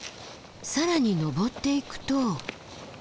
更に登っていくと。